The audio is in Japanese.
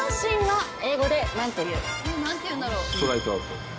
ストライクアウト。